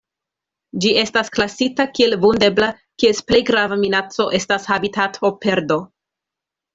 Ĝi estas klasita kiel Vundebla, kies plej grava minaco estas habitatoperdo.